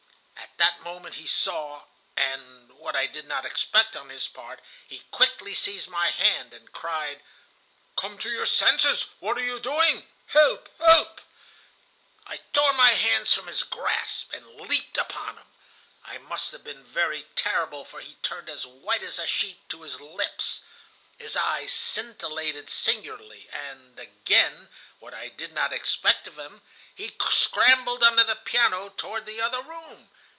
At that moment he saw ... and, what I did not expect on his part, he quickly seized my hand, and cried: "'Come to your senses! What are you doing? Help! Help!' "I tore my hands from his grasp, and leaped upon him. I must have been very terrible, for he turned as white as a sheet, to his lips. His eyes scintillated singularly, and—again what I did not expect of him—he scrambled under the piano, toward the other room.